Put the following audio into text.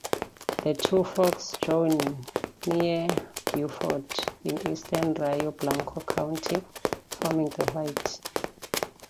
The two forks join near Buford in eastern Rio Blanco County, forming the White.